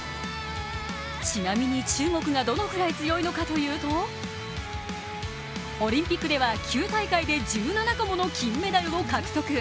ちなみに中国がどのくらい強いのかというとオリンピックでは９大会で１７個もの金メダルを獲得。